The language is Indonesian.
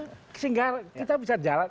sehingga kita bisa jalan